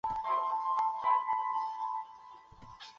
该火控系统亦被德国空军用于监控低空空域。